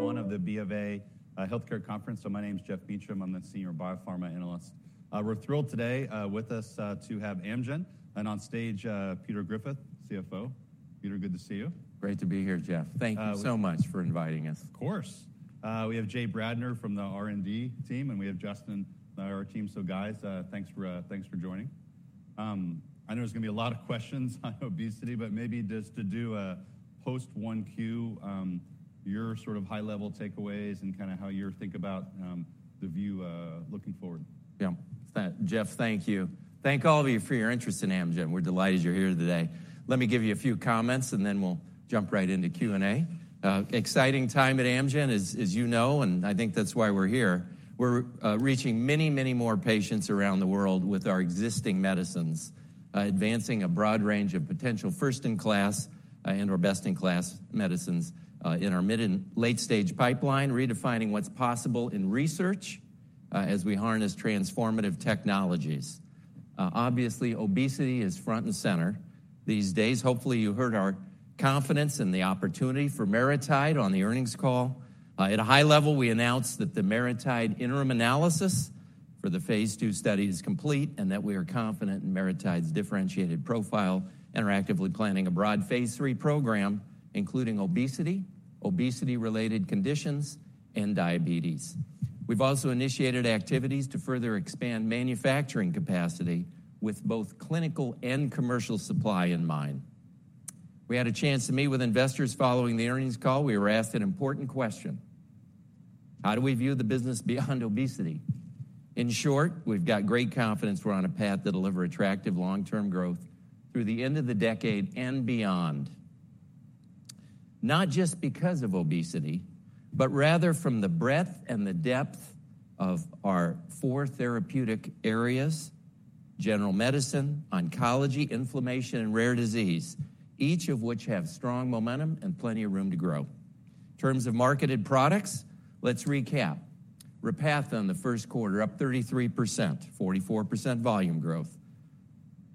One of the BofA Healthcare Conference, so my name's Geoff Meacham. I'm the Senior Biopharma Analyst. We're thrilled today with us to have Amgen and on stage Peter Griffith, CFO. Peter, good to see you. Great to be here, Geoff. Thank you so much for inviting us. Of course. We have Jay Bradner from the R&D team, and we have Justin from our team. So guys, thanks for joining. I know there's going to be a lot of questions on obesity, but maybe just to do a post-1Q, your sort of high-level takeaways and kind of how you think about the view looking forward. Yeah, Geoff, thank you. Thank all of you for your interest in Amgen. We're delighted you're here today. Let me give you a few comments, and then we'll jump right into Q&A. Exciting time at Amgen, as you know, and I think that's why we're here. We're reaching many, many more patients around the world with our existing medicines, advancing a broad range of potential first-in-class and/or best-in-class medicines in our mid and late-stage pipeline, redefining what's possible in research as we harness transformative technologies. Obviously, obesity is front and center these days. Hopefully, you heard our confidence in the opportunity for MariTide on the earnings call. At a high level, we announced that the MariTide interim analysis for the phase 2 study is complete and that we are confident in MariTide's differentiated profile, interactively planning a broad phase 3 program including obesity, obesity-related conditions, and diabetes. We've also initiated activities to further expand manufacturing capacity with both clinical and commercial supply in mind. We had a chance to meet with investors following the earnings call. We were asked an important question: How do we view the business beyond obesity? In short, we've got great confidence we're on a path to deliver attractive long-term growth through the end of the decade and beyond, not just because of obesity, but rather from the breadth and the depth of our four therapeutic areas: general medicine, oncology, inflammation, and rare disease, each of which have strong momentum and plenty of room to grow. In terms of marketed products, let's recap. Repatha the first quarter, up 33%, 44% volume growth.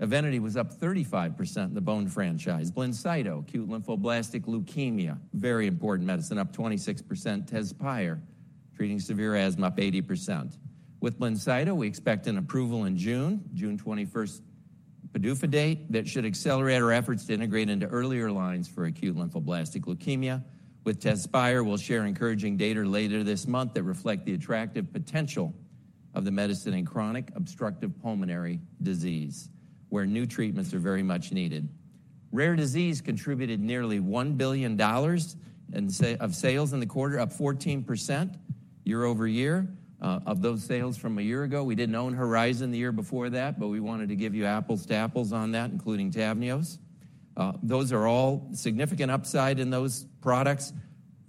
Evenity was up 35% in the bone franchise. Blincyto, acute lymphoblastic leukemia, very important medicine, up 26%. Tezspire, treating severe asthma, up 80%. With Blincyto, we expect an approval in June, June 21st PDUFA date, that should accelerate our efforts to integrate into earlier lines for acute lymphoblastic leukemia. With Tezspire, we'll share encouraging data later this month that reflect the attractive potential of the medicine in chronic obstructive pulmonary disease where new treatments are very much needed. Rare disease contributed nearly $1 billion of sales in the quarter, up 14% year-over-year. Of those sales from a year ago, we didn't own Horizon the year before that, but we wanted to give you apples to apples on that, including Tavneos. Those are all significant upside in those products: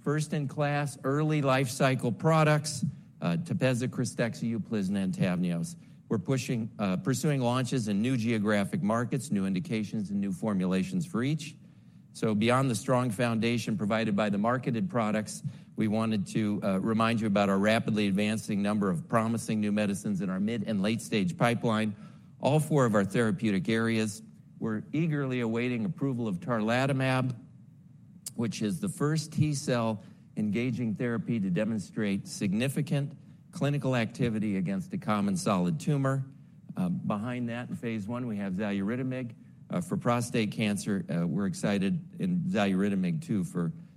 first-in-class, early life cycle products, Tepezza, Krystexxa, Uplizna, and Tavneos. We're pursuing launches in new geographic markets, new indications, and new formulations for each. Beyond the strong foundation provided by the marketed products, we wanted to remind you about our rapidly advancing number of promising new medicines in our mid- and late-stage pipeline, all 4 of our therapeutic areas. We're eagerly awaiting approval of Tarlatamab, which is the first T-cell engaging therapy to demonstrate significant clinical activity against a common solid tumor. Behind that, in phase 1, we have Xaluritamig for prostate cancer. We're excited in Xaluritamig too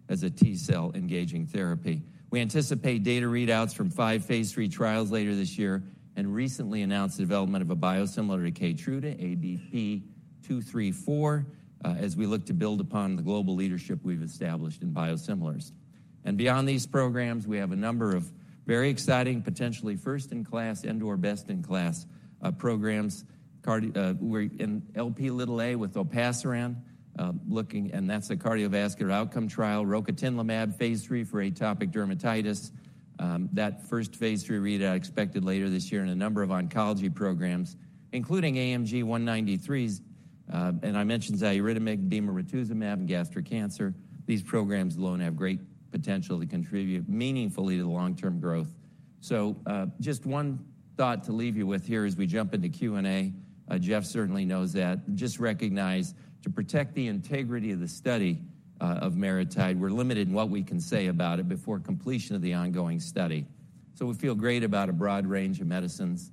as a T-cell engaging therapy. We anticipate data readouts from 5 phase 3 trials later this year and recently announced the development of a biosimilar to Keytruda, ABP 234, as we look to build upon the global leadership we've established in biosimilars. Beyond these programs, we have a number of very exciting, potentially first-in-class and/or best-in-class programs. We're in Lp(a) with Olpasiran looking, and that's a cardiovascular outcome trial. Rocatinlimab phase 3 for atopic dermatitis. That first phase 3 readout expected later this year in a number of oncology programs, including AMG 193s, and I mentioned Xaluritamig, Bemarituzumab, and gastric cancer. These programs alone have great potential to contribute meaningfully to the long-term growth. So just one thought to leave you with here as we jump into Q&A, Geoff certainly knows that, just recognize to protect the integrity of the study of MariTide, we're limited in what we can say about it before completion of the ongoing study. So we feel great about a broad range of medicines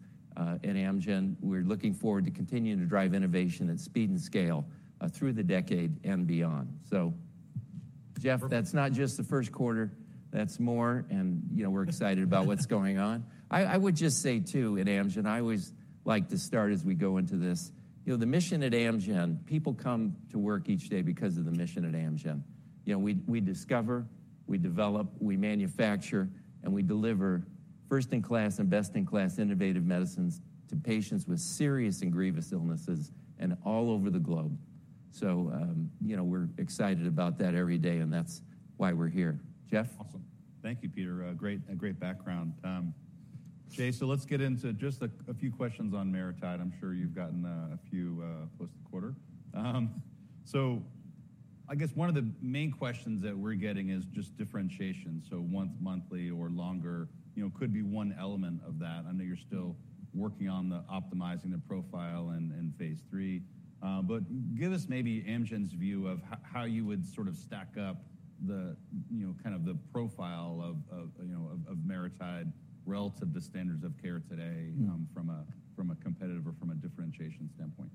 in Amgen. We're looking forward to continuing to drive innovation at speed and scale through the decade and beyond. So Geoff, that's not just the first quarter. That's more. And we're excited about what's going on. I would just say too at Amgen, I always like to start as we go into this, the mission at Amgen. People come to work each day because of the mission at Amgen. We discover, we develop, we manufacture, and we deliver first-in-class and best-in-class innovative medicines to patients with serious and grievous illnesses all over the globe. So we're excited about that every day, and that's why we're here. Geoff? Awesome. Thank you, Peter. Great background. Jay, so let's get into just a few questions on MariTide. I'm sure you've gotten a few post the quarter. So I guess one of the main questions that we're getting is just differentiation. So once monthly or longer could be one element of that. I know you're still working on optimizing the profile in phase 3. But give us maybe Amgen's view of how you would sort of stack up kind of the profile of MariTide relative to standards of care today from a competitive or from a differentiation standpoint.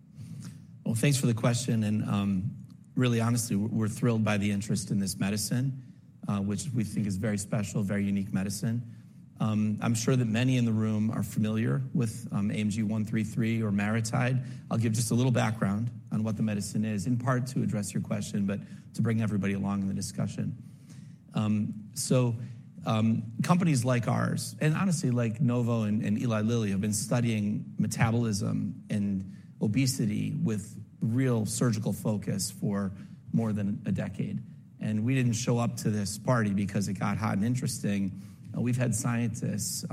Well, thanks for the question. And really, honestly, we're thrilled by the interest in this medicine, which we think is very special, very unique medicine. I'm sure that many in the room are familiar with AMG 133 or MariTide. I'll give just a little background on what the medicine is, in part to address your question, but to bring everybody along in the discussion. So companies like ours, and honestly, like Novo and Eli Lilly, have been studying metabolism and obesity with real surgical focus for more than a decade. And we didn't show up to this party because it got hot and interesting. We've had scientists at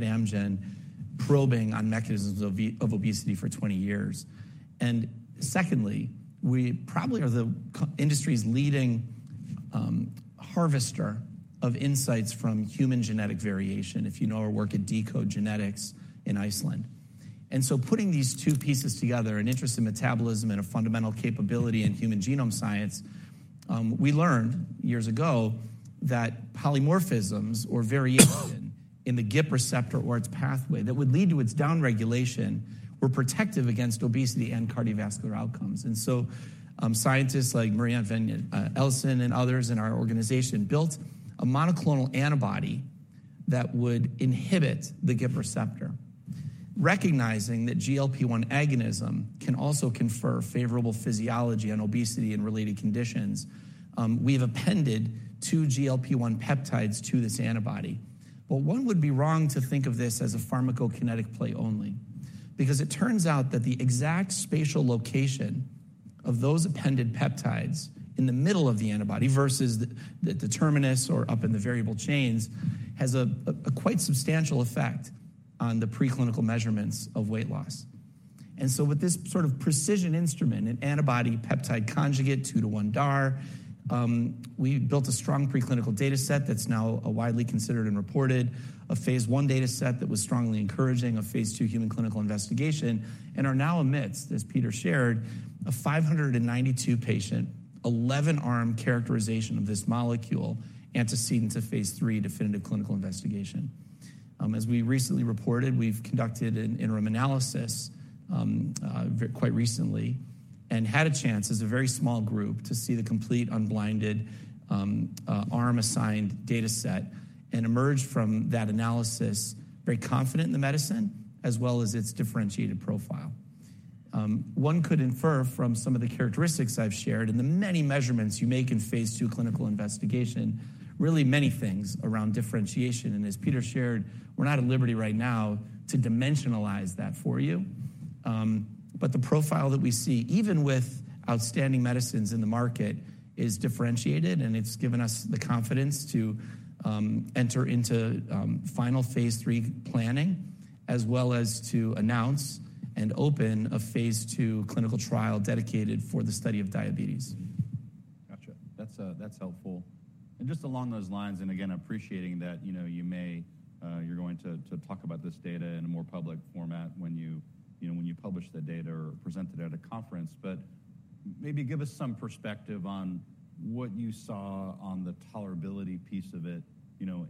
Amgen probing on mechanisms of obesity for 20 years. And secondly, we probably are the industry's leading harvester of insights from human genetic variation, if you know our work at deCODE genetics in Iceland. And so putting these two pieces together, an interest in metabolism and a fundamental capability in human genome science, we learned years ago that polymorphisms or variation in the GIP receptor or its pathway that would lead to its downregulation were protective against obesity and cardiovascular outcomes. And so scientists like Murielle Véniant-Ellison and others in our organization built a monoclonal antibody that would inhibit the GIP receptor. Recognizing that GLP-1 agonism can also confer favorable physiology on obesity and related conditions, we have appended two GLP-1 peptides to this antibody. But one would be wrong to think of this as a pharmacokinetic play only because it turns out that the exact spatial location of those appended peptides in the middle of the antibody versus the determinants or up in the variable chains has a quite substantial effect on the preclinical measurements of weight loss. And so with this sort of precision instrument, an antibody-peptide conjugate 2-to-1 DAR, we built a strong preclinical data set that's now widely considered and reported, a phase 1 data set that was strongly encouraging a phase 2 human clinical investigation, and are now amidst, as Peter shared, a 592-patient, 11-arm characterization of this molecule antecedent to phase 3 definitive clinical investigation. As we recently reported, we've conducted an interim analysis quite recently and had a chance, as a very small group, to see the complete unblinded arm assigned data set and emerge from that analysis very confident in the medicine as well as its differentiated profile. One could infer from some of the characteristics I've shared in the many measurements you make in phase 2 clinical investigation really many things around differentiation. And as Peter shared, we're not at liberty right now to dimensionalize that for you. But the profile that we see, even with outstanding medicines in the market, is differentiated, and it's given us the confidence to enter into final phase 3 planning as well as to announce and open a phase 2 clinical trial dedicated for the study of diabetes. Gotcha. That's helpful. Just along those lines, and again, appreciating that you may, you're going to talk about this data in a more public format when you publish the data or present it at a conference. But maybe give us some perspective on what you saw on the tolerability piece of it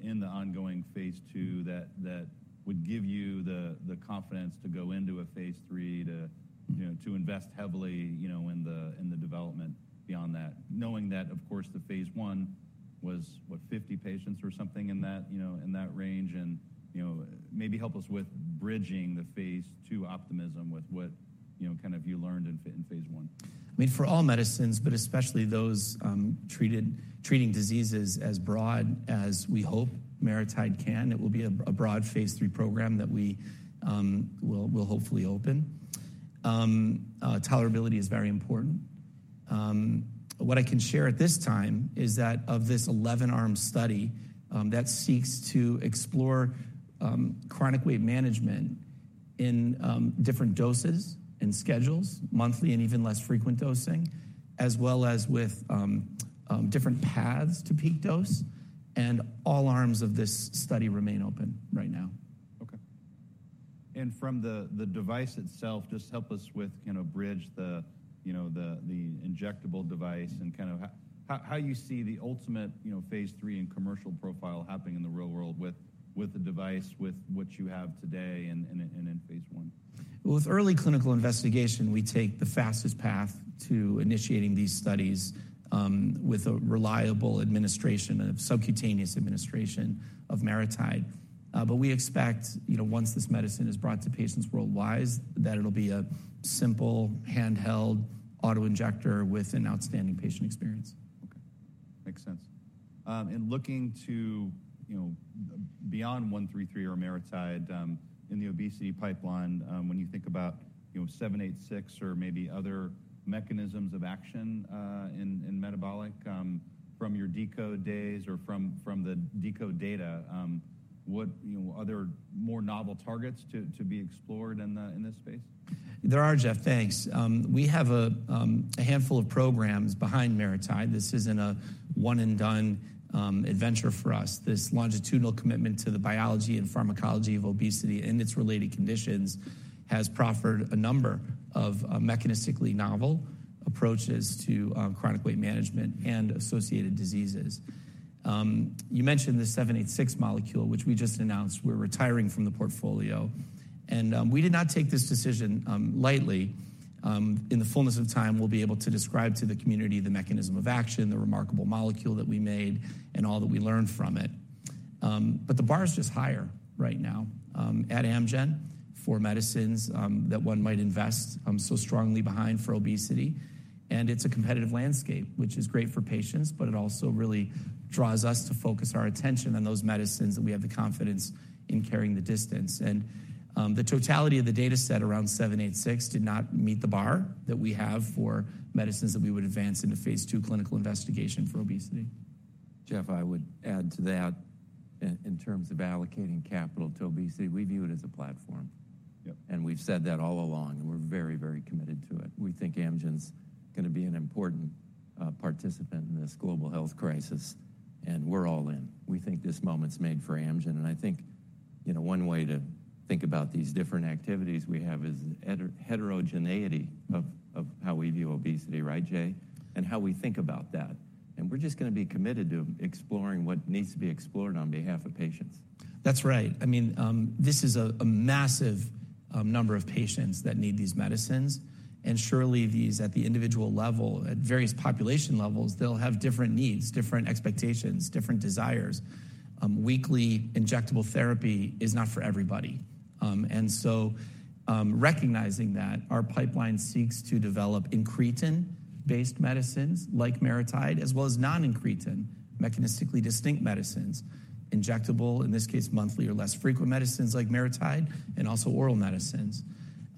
in the ongoing phase 2 that would give you the confidence to go into a phase 3, to invest heavily in the development beyond that, knowing that, of course, the phase 1 was, what, 50 patients or something in that range? Maybe help us with bridging the phase 2 optimism with what kind of you learned in phase 1. I mean, for all medicines, but especially those treating diseases as broad as we hope MariTide can, it will be a broad phase 3 program that we will hopefully open. Tolerability is very important. What I can share at this time is that of this 11-arm study that seeks to explore chronic weight management in different doses and schedules, monthly and even less frequent dosing, as well as with different paths to peak dose, and all arms of this study remain open right now. Okay. And from the device itself, just help us with kind of bridge the injectable device and kind of how you see the ultimate phase 3 and commercial profile happening in the real world with the device, with what you have today and in phase 1. Well, with early clinical investigation, we take the fastest path to initiating these studies with a reliable administration of subcutaneous administration of MariTide. But we expect, once this medicine is brought to patients worldwide, that it'll be a simple handheld autoinjector with an outstanding patient experience. Okay. Makes sense. And looking beyond 133 or MariTide in the obesity pipeline, when you think about 786 or maybe other mechanisms of action in metabolic from your deCODE days or from the deCODE data, are there more novel targets to be explored in this space? There are, Geoff. Thanks. We have a handful of programs behind MariTide. This isn't a one-and-done adventure for us. This longitudinal commitment to the biology and pharmacology of obesity and its related conditions has proffered a number of mechanistically novel approaches to chronic weight management and associated diseases. You mentioned the 786 molecule, which we just announced we're retiring from the portfolio. And we did not take this decision lightly. In the fullness of time, we'll be able to describe to the community the mechanism of action, the remarkable molecule that we made, and all that we learned from it. But the bar is just higher right now at Amgen for medicines that one might invest so strongly behind for obesity. It's a competitive landscape, which is great for patients, but it also really draws us to focus our attention on those medicines that we have the confidence in carrying the distance. The totality of the data set around 786 did not meet the bar that we have for medicines that we would advance into phase 2 clinical investigation for obesity. Geoff, I would add to that in terms of allocating capital to obesity, we view it as a platform. We've said that all along, and we're very, very committed to it. We think Amgen's going to be an important participant in this global health crisis, and we're all in. We think this moment's made for Amgen. I think one way to think about these different activities we have is the heterogeneity of how we view obesity, right, Jay, and how we think about that. We're just going to be committed to exploring what needs to be explored on behalf of patients. That's right. I mean, this is a massive number of patients that need these medicines. Surely these at the individual level, at various population levels, they'll have different needs, different expectations, different desires. Weekly injectable therapy is not for everybody. So recognizing that, our pipeline seeks to develop incretin-based medicines like MariTide, as well as non-incretin, mechanistically distinct medicines, injectable, in this case, monthly or less frequent medicines like MariTide, and also oral medicines.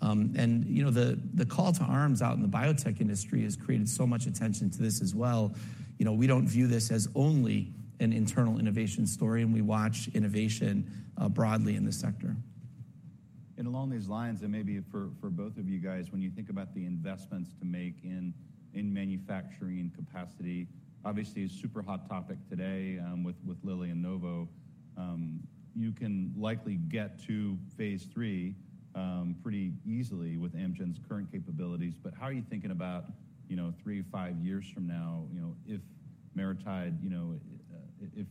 The call to arms out in the biotech industry has created so much attention to this as well. We don't view this as only an internal innovation story, and we watch innovation broadly in the sector. Along these lines, and maybe for both of you guys, when you think about the investments to make in manufacturing capacity, obviously a super hot topic today with Lilly and Novo, you can likely get to phase 3 pretty easily with Amgen's current capabilities. How are you thinking about 3, 5 years from now, if MariTide,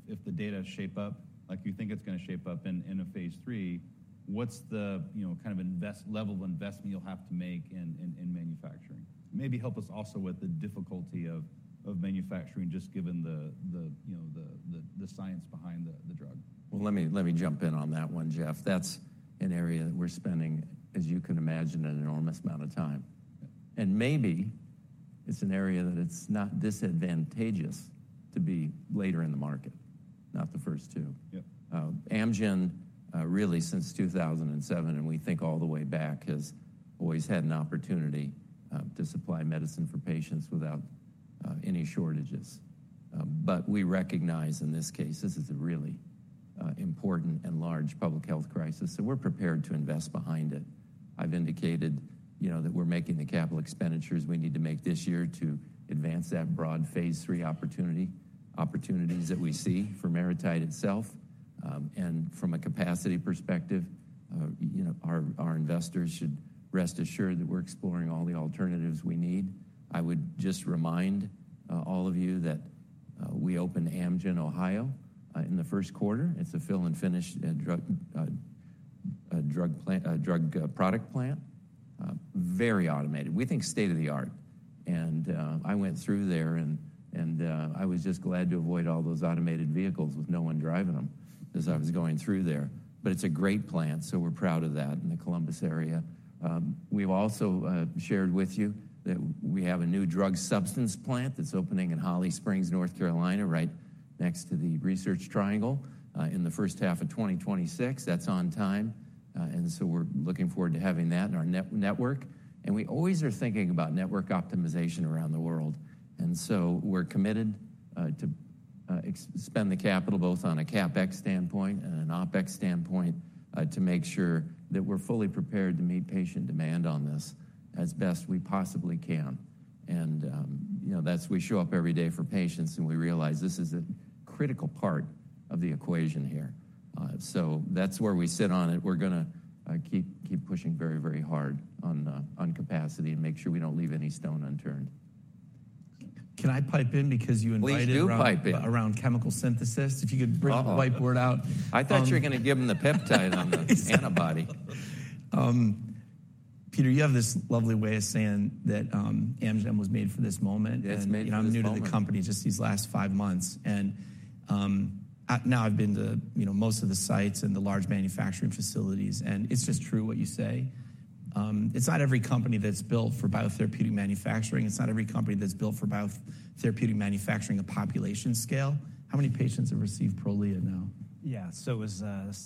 if the data shape up like you think it's going to shape up in a phase 3, what's the kind of level of investment you'll have to make in manufacturing? Maybe help us also with the difficulty of manufacturing, just given the science behind the drug. Well, let me jump in on that one, Geoff. That's an area that we're spending, as you can imagine, an enormous amount of time. And maybe it's an area that it's not disadvantageous to be later in the market, not the first two. Amgen, really, since 2007, and we think all the way back, has always had an opportunity to supply medicine for patients without any shortages. But we recognize in this case, this is a really important and large public health crisis, and we're prepared to invest behind it. I've indicated that we're making the capital expenditures we need to make this year to advance that broad phase 3 opportunity opportunities that we see for MariTide itself. And from a capacity perspective, our investors should rest assured that we're exploring all the alternatives we need. I would just remind all of you that we opened Amgen Ohio in the first quarter. It's a fill-and-finish drug product plant, very automated. We think state of the art. And I went through there, and I was just glad to avoid all those automated vehicles with no one driving them as I was going through there. But it's a great plant, so we're proud of that in the Columbus area. We've also shared with you that we have a new drug substance plant that's opening in Holly Springs, North Carolina, right next to the Research Triangle in the first half of 2026. That's on time. And so we're looking forward to having that in our network. And we always are thinking about network optimization around the world. And so we're committed to spend the capital both on a CapEx standpoint and an OpEx standpoint to make sure that we're fully prepared to meet patient demand on this as best we possibly can. And we show up every day for patients, and we realize this is a critical part of the equation here. So that's where we sit on it. We're going to keep pushing very, very hard on capacity and make sure we don't leave any stone unturned. Can I chime in because you inquired about chemical synthesis? If you could bring the whiteboard out. I thought you were going to give them the peptide on the antibody. Peter, you have this lovely way of saying that Amgen was made for this moment. And I'm new to the company just these last five months. And now I've been to most of the sites and the large manufacturing facilities. And it's just true what you say. It's not every company that's built for biotherapeutic manufacturing. It's not every company that's built for biotherapeutic manufacturing a population scale. How many patients have received Prolia now? Yeah. So it was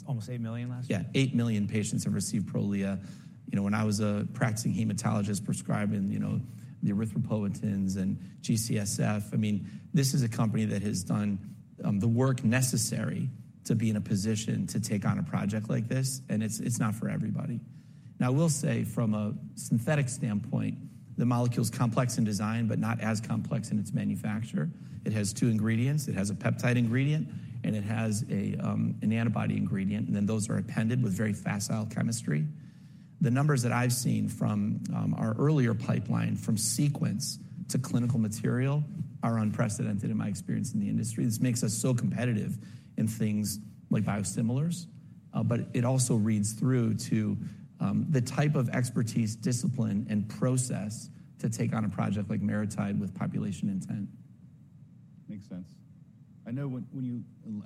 almost 8 million last year? Yeah. 8 million patients have received Prolia. When I was a practicing hematologist prescribing the erythropoietins and GCSF, I mean, this is a company that has done the work necessary to be in a position to take on a project like this. And it's not for everybody. Now, I will say from a synthetic standpoint, the molecule is complex in design, but not as complex in its manufacture. It has two ingredients. It has a peptide ingredient, and it has an antibody ingredient. And then those are appended with very facile chemistry. The numbers that I've seen from our earlier pipeline, from sequence to clinical material, are unprecedented in my experience in the industry. This makes us so competitive in things like biosimilars. But it also reads through to the type of expertise, discipline, and process to take on a project like MariTide with population intent. Makes sense. I know, one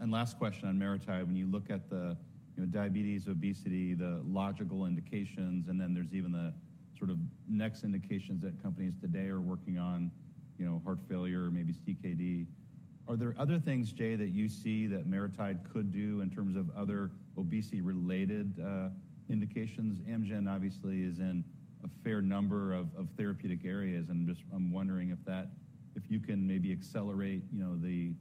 last question on MariTide, when you look at the diabetes, obesity, the logical indications, and then there's even the sort of next indications that companies today are working on, heart failure, maybe CKD, are there other things, Jay, that you see that MariTide could do in terms of other obesity-related indications? Amgen, obviously, is in a fair number of therapeutic areas. I'm wondering if you can maybe accelerate the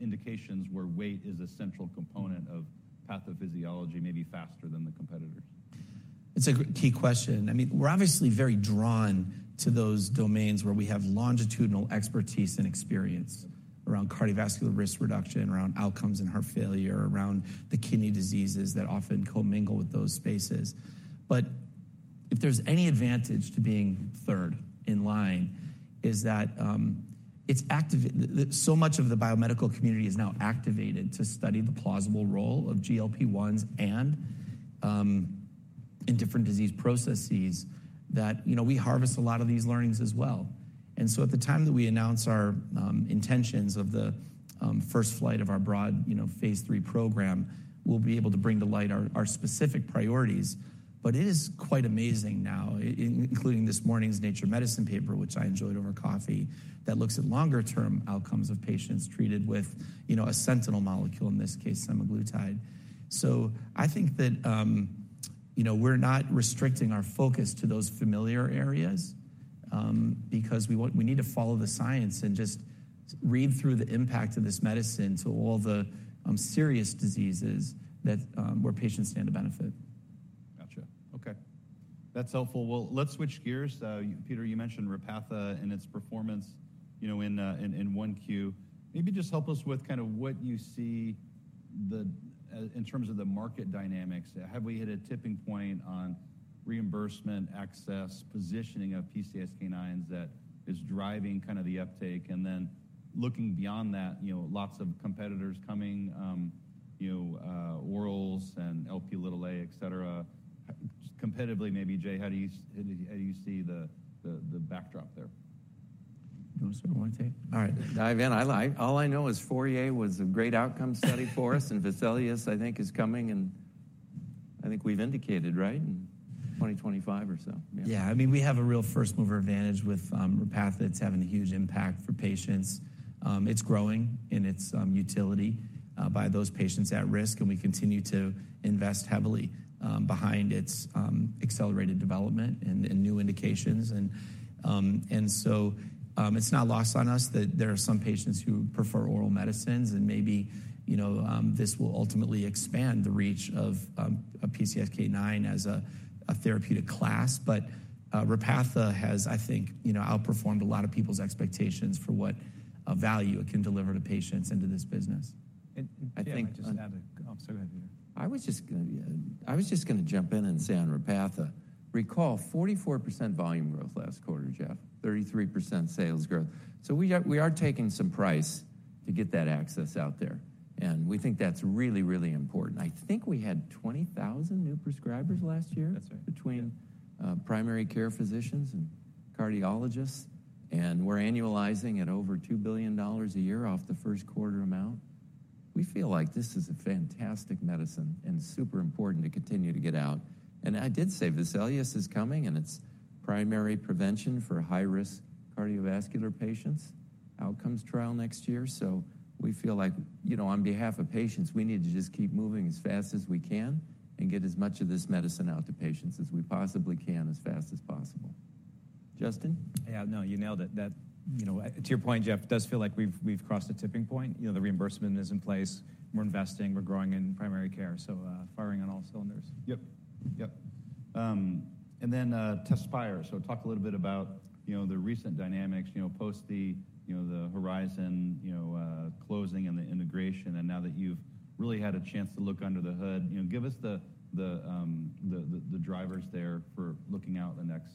indications where weight is a central component of pathophysiology, maybe faster than the competitors. It's a key question. I mean, we're obviously very drawn to those domains where we have longitudinal expertise and experience around cardiovascular risk reduction, around outcomes in heart failure, around the kidney diseases that often co-mingle with those spaces. But if there's any advantage to being third in line, is that so much of the biomedical community is now activated to study the plausible role of GLP-1s and in different disease processes that we harvest a lot of these learnings as well. And so at the time that we announce our intentions of the first flight of our broad phase 3 program, we'll be able to bring to light our specific priorities. But it is quite amazing now, including this morning's Nature Medicine paper, which I enjoyed over coffee, that looks at longer-term outcomes of patients treated with a sentinel molecule, in this case, semaglutide. I think that we're not restricting our focus to those familiar areas because we need to follow the science and just read through the impact of this medicine to all the serious diseases where patients stand to benefit. Gotcha. Okay. That's helpful. Well, let's switch gears. Peter, you mentioned Repatha and its performance in Q1. Maybe just help us with kind of what you see in terms of the market dynamics. Have we hit a tipping point on reimbursement, access, positioning of PCSK9s that is driving kind of the uptake? And then looking beyond that, lots of competitors coming, orals and Lp(a), etc. Competitively, maybe, Jay, how do you see the backdrop there? Do you want to start with one take? All right. Dive in. All I know is FOURIER was a great outcome study for us. And VESALIUS, I think, is coming. And I think we've indicated, right, in 2025 or so. Yeah. I mean, we have a real first-mover advantage with Repatha that's having a huge impact for patients. It's growing in its utility by those patients at risk. And we continue to invest heavily behind its accelerated development and new indications. And so it's not lost on us that there are some patients who prefer oral medicines. And maybe this will ultimately expand the reach of a PCSK9 as a therapeutic class. But Repatha has, I think, outperformed a lot of people's expectations for what value it can deliver to patients into this business. Geoff, I just want to add. Oh, sorry Peter. I was just going to jump in and say on Repatha, recall, 44% volume growth last quarter, Geoff, 33% sales growth. So we are taking some price to get that access out there. And we think that's really, really important. I think we had 20,000 new prescribers last year between primary care physicians and cardiologists. And we're annualizing at over $2 billion a year off the first quarter amount. We feel like this is a fantastic medicine and super important to continue to get out. And I did say VESALIUS is coming. And it's primary prevention for high-risk cardiovascular patients, outcomes trial next year. So we feel like on behalf of patients, we need to just keep moving as fast as we can and get as much of this medicine out to patients as we possibly can as fast as possible. Justin? Yeah. No, you nailed it. To your point, Geoff, it does feel like we've crossed a tipping point. The reimbursement is in place. We're investing. We're growing in primary care. So firing on all cylinders. Yep. Yep. And then Tezspire. So talk a little bit about the recent dynamics post the Horizon closing and the integration. And now that you've really had a chance to look under the hood, give us the drivers there for looking out the next,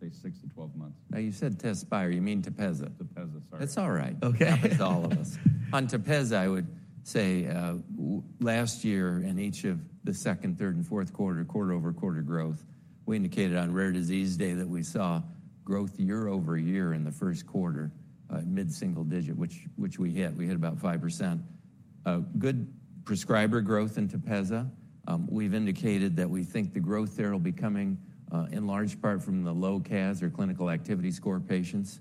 say, 6 months-12 months. Now, you said Tezspire. You mean Tepezza. Tepezza. Sorry. That's all right. It's all of us. On Tepezza, I would say last year, in each of the second, third, and fourth quarter, quarter-over-quarter growth, we indicated on Rare Disease Day that we saw growth year-over-year in the first quarter, mid-single digit, which we hit. We hit about 5%. Good prescriber growth in Tepezza. We've indicated that we think the growth there will be coming in large part from the low CAS or clinical activity score patients.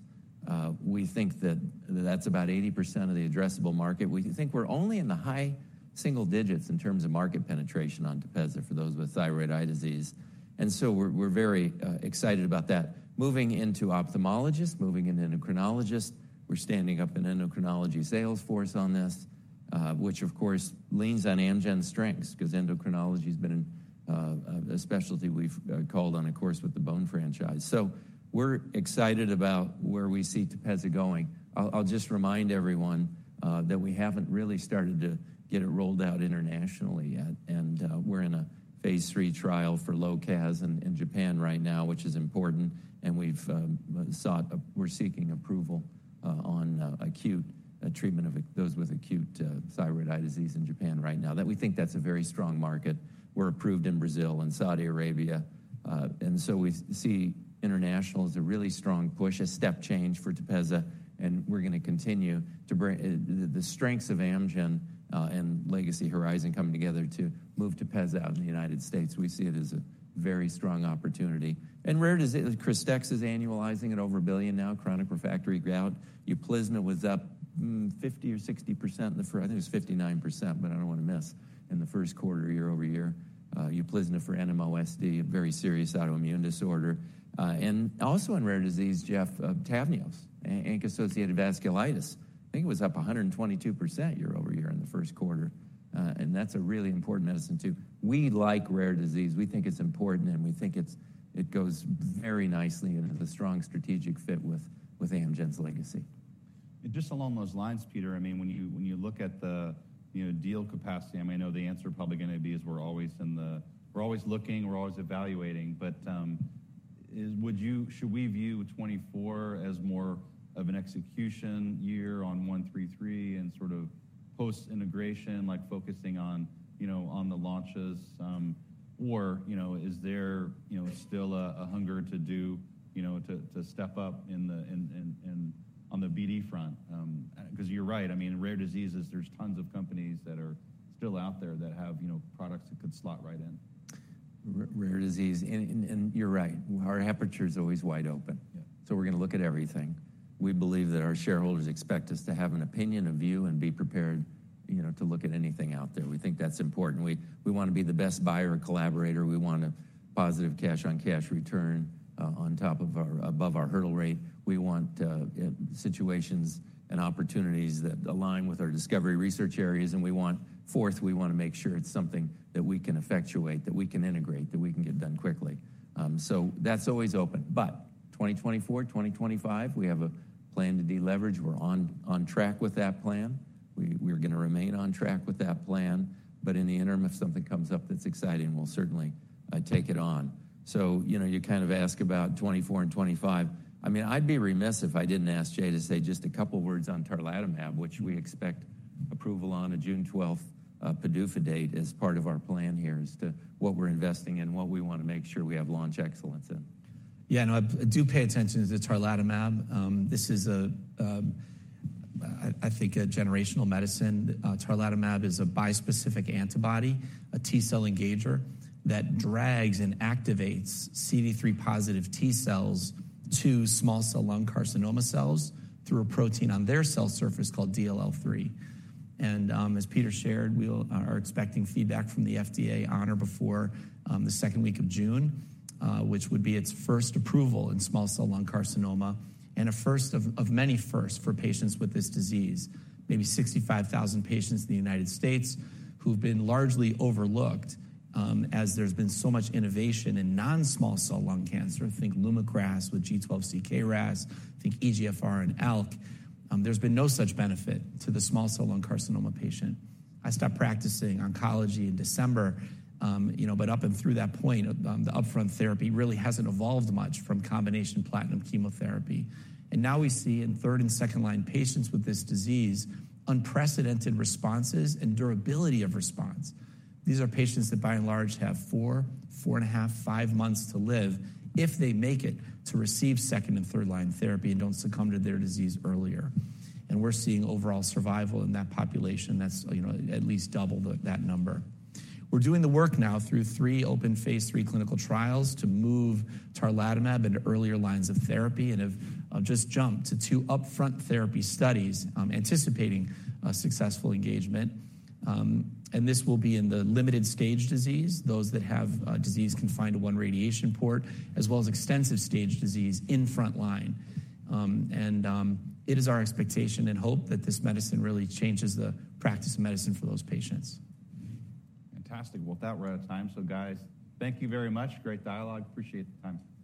We think that that's about 80% of the addressable market. We think we're only in the high single digits in terms of market penetration on Tepezza for those with thyroid eye disease. And so we're very excited about that. Moving into ophthalmologists, moving into endocrinologists, we're standing up an endocrinology sales force on this, which, of course, leans on Amgen's strengths because endocrinology has been a specialty we've called on, of course, with the Bone franchise. So we're excited about where we see Tepezza going. I'll just remind everyone that we haven't really started to get it rolled out internationally yet. And we're in a phase 3 trial for low CAS in Japan right now, which is important. And we're seeking approval on acute treatment of those with acute thyroid eye disease in Japan right now. We think that's a very strong market. We're approved in Brazil and Saudi Arabia. And so we see international as a really strong push, a step change for Tepezza. And we're going to continue to bring the strengths of Amgen and Legacy Horizon coming together to move Tepezza out in the United States. We see it as a very strong opportunity. Rare Disease Krystexxa is annualizing at over $1 billion now, chronic refractory gout. Uplizna was up 50% or 60% in the first, I think it was 59%, but I don't want to miss in the first quarter, year-over-year. Uplizna for NMOSD, a very serious autoimmune disorder. And also in rare disease, Geoff, Tavneos, ANCA-associated vasculitis, I think it was up 122% year-over-year in the first quarter. And that's a really important medicine, too. We like rare disease. We think it's important. And we think it goes very nicely into the strong strategic fit with Amgen's legacy. Just along those lines, Peter, I mean, when you look at the deal capacity, I mean, I know the answer probably going to be is we're always looking. We're always evaluating. But should we view 2024 as more of an execution year on 133 and sort of post-integration, like focusing on the launches? Or is there still a hunger to step up on the BD front? Because you're right. I mean, in rare diseases, there's tons of companies that are still out there that have products that could slot right in. Rare disease. You're right. Our aperture is always wide open. We're going to look at everything. We believe that our shareholders expect us to have an opinion, a view, and be prepared to look at anything out there. We think that's important. We want to be the best buyer or collaborator. We want a positive cash-on-cash return above our hurdle rate. We want situations and opportunities that align with our discovery research areas. Fourth, we want to make sure it's something that we can effectuate, that we can integrate, that we can get done quickly. That's always open. 2024, 2025, we have a plan to deleverage. We're on track with that plan. We're going to remain on track with that plan. In the interim, if something comes up that's exciting, we'll certainly take it on. You kind of ask about 2024 and 2025. I mean, I'd be remiss if I didn't ask Jay to say just a couple of words on Tarlatamab, which we expect approval on a June 12th PDUFA date as part of our plan here, as to what we're investing in, what we want to make sure we have launch excellence in. Yeah. No, I do pay attention to Tarlatamab. This is, I think, a generational medicine. Tarlatamab is a bispecific antibody, a T-cell engager that drags and activates CD3-positive T cells to small cell lung carcinoma cells through a protein on their cell surface called DLL3. And as Peter shared, we are expecting feedback from the FDA on or before the second week of June, which would be its first approval in small cell lung carcinoma and a first of many firsts for patients with this disease, maybe 65,000 patients in the United States who've been largely overlooked as there's been so much innovation in non-small cell lung cancer. Think LUMAKRAS with G12C KRAS. Think EGFR and ALK. There's been no such benefit to the small cell lung carcinoma patient. I stopped practicing oncology in December. But up and through that point, the upfront therapy really hasn't evolved much from combination platinum chemotherapy. And now we see in third- and second-line patients with this disease unprecedented responses and durability of response. These are patients that, by and large, have 4, 4.5, 5 months to live if they make it to receive second- and third-line therapy and don't succumb to their disease earlier. And we're seeing overall survival in that population. That's at least double that number. We're doing the work now through 3 open phase 3 clinical trials to move Tarlatamab into earlier lines of therapy and have just jumped to 2 upfront therapy studies anticipating successful engagement. And this will be in the limited-stage disease, those that have disease confined to 1 radiation port, as well as extensive-stage disease in front line. It is our expectation and hope that this medicine really changes the practice of medicine for those patients. Fantastic. Well, with that, we're out of time. So, guys, thank you very much. Great dialogue. Appreciate the time.